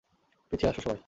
পিছিয়ে আসো, সবাই।